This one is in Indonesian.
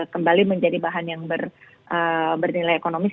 kembali menjadi bahan yang bernilai ekonomis